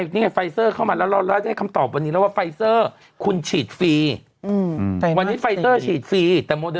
ทุกคนก็ต้องจองไว้หมด